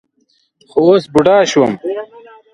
خو اوس بوډا شوم.